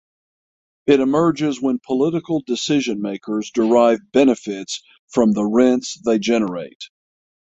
It emerges when political decision makers derive benefits from the rents they generate.